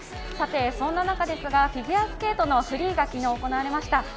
そんな中ですが、フィギュアスケートのフリーが昨日、行われました。